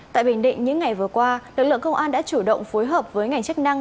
tại bình định những ngày vừa qua lực lượng công an đã chủ động phối hợp với ngành chức năng